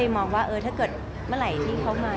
มองว่าถ้าเกิดเมื่อไหร่ที่เขามา